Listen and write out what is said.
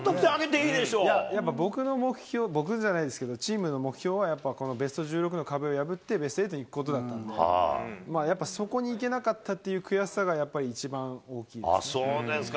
やっぱ僕の目標、僕じゃないですけど、チームの目標はやっぱこのベスト１６の壁を破って、ベスト８にいくことだったんで、やっぱそこにいけなかったっていう悔しさがやっぱり一番大きいでそうですか。